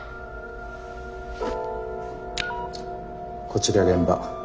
こちら現場。